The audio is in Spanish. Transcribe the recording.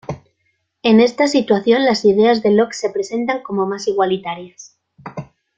En esta situación las ideas de Locke se presentan como más igualitarias.